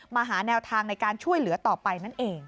หาแนวทางในการช่วยเหลือต่อไปนั่นเอง